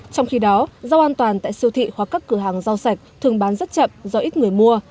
trong khi đó rau an toàn tại siêu thị hoặc các cửa hàng rau sạch thường bán rất chậm do ít người mua